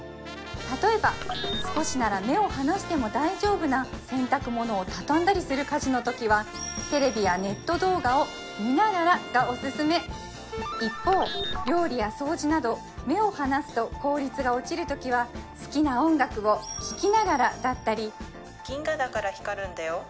例えば少しなら目を離しても大丈夫な洗濯物を畳んだりする家事の時はテレビやネット動画を見ながらがおすすめ一方料理や掃除など目を離すと効率が落ちるときは好きな音楽を聞きながらだったり銀河だから光るんだよ